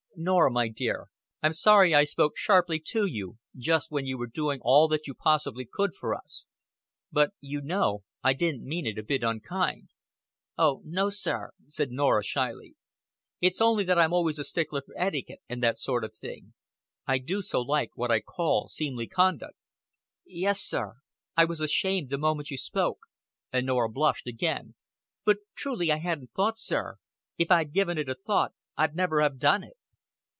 "Norah, my dear, I'm sorry I spoke sharply to you just when you were doing all that you possibly could for us. But, you know, I didn't mean it a bit unkind." "Oh, no, sir," said Norah, shyly. It's only that I'm always a stickler for etiquette and that sort of thing. I do so like what I call seemly conduct." "Yes, sir. I was ashamed the moment you spoke;" and Norah blushed again. "But truly I hadn't thought, sir. If I'd given it a thought, I'd never have done it."